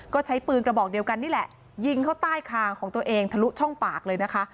ก็ใช้ปืนกระบอกเดียวกันนี่แหละยิงเข้าใต้คางของตัวเองทะลุช่องปากเลยนะคะ